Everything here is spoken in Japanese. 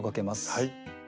はい。